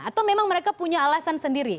atau memang mereka punya alasan sendiri